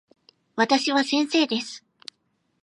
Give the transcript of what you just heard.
私は先生です。